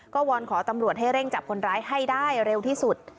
ก็วอนขอตำรวจให้เร่งจับคนร้ายให้ได้เร็วที่สุด